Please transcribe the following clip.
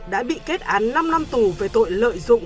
đã bị kết án năm năm tù về tội lợi dụng